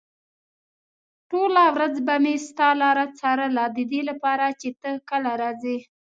ټوله ورځ به مې ستا لاره څارله ددې لپاره چې ته کله راځې.